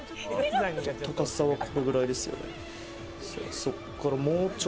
高さはこのぐらいですよね。